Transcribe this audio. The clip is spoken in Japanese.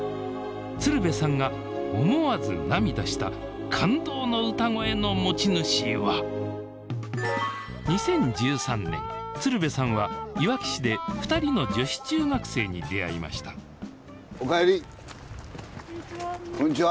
鶴瓶さんが思わず涙した感動の歌声の持ち主は鶴瓶さんはいわき市で２人の女子中学生に出会いましたこんにちは。